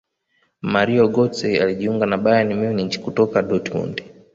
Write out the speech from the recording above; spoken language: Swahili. mario gotze alijiunga na bayern munich kutoka dortmund